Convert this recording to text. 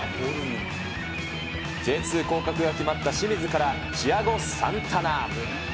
Ｊ２降格がった清水から、チアゴ・サンタナ。